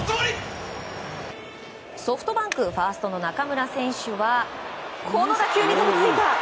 ソフトバンクファーストの中村選手はこの打球に飛びついた！